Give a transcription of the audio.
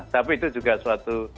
tapi itu juga suatu